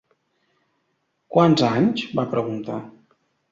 "Quants anys?" va preguntar.